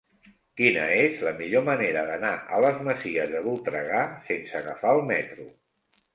Quina és la millor manera d'anar a les Masies de Voltregà sense agafar el metro?